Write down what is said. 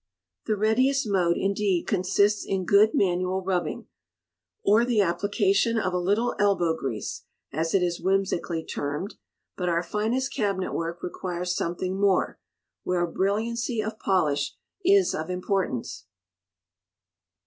The readiest mode indeed consists in good manual rubbing, or the application of a little elbow grease, as it is whimsically termed; but our finest cabinet work requires something more, where brilliancy of polish is of importance.